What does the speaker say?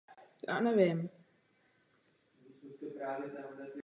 Hlaváček se nakonec rozhodl celou trať financovat sám.